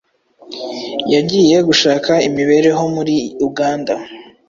yagiye gushaka imibereho muri Uganda